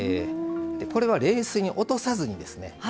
これは冷水に落とさずにですね